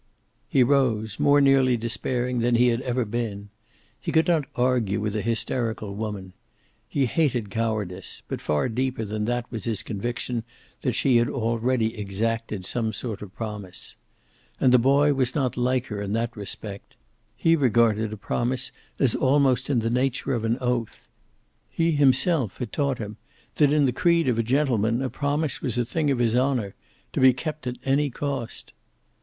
He rose, more nearly despairing than he had ever been. He could not argue with a hysterical woman. He hated cowardice, but far deeper than that was his conviction that she had already exacted some sort of promise. And the boy was not like her in that respect. He regarded a promise as almost in the nature of an oath. He himself had taught him that in the creed of a gentleman a promise was a thing of his honor, to be kept at any cost.